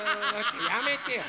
やめてよ。